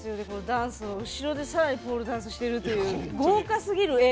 ダンスの後ろでさらにポールダンスしてるっていう豪華すぎる絵。